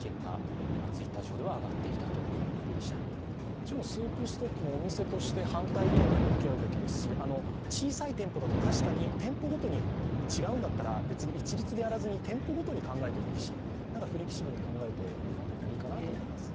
もちろんスープストックもお店として反対意見には向き合うべきですし、小さい店舗だと確かに店舗ごとに違うんだったら、別に一律でやらずに店舗ごとに考えてもいいしフレキシブルに考えてもいいかなと思います。